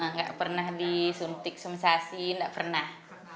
nggak pernah disuntik sensasi nggak pernah